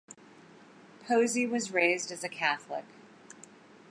Posey was raised as a Catholic.